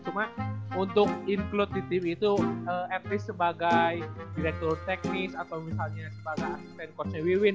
cuma untuk include di tim itu at least sebagai direktur teknis atau misalnya sebagai asisten coachnya wiwin